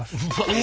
え！